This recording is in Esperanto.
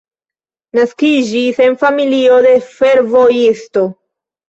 Naskiĝis en familio de fervojisto.